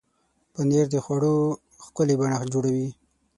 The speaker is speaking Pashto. پنېر د خوړو ښکلې بڼه جوړوي.